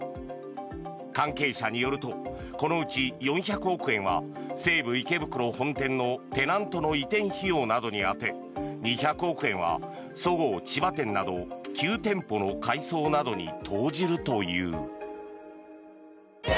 関係者によるとこのうち４００億円は西武池袋本店のテナントの移転費用などに充て２００億円はそごう千葉店など９店舗の改装などに投じるという。